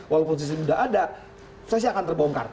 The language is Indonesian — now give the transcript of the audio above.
walaupun sistem sudah ada prosesnya akan terbongkar